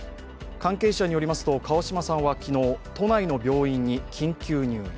関係者によりますと川嶋さんは昨日、都内の病院に緊急入院。